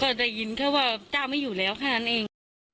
ก็ได้ยินแค่ว่าเจ้าไม่อยู่แล้วแค่นั้นเอง